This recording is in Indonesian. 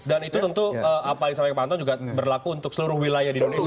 dan itu tentu paling sampai pak antun juga berlaku untuk seluruh wilayah di indonesia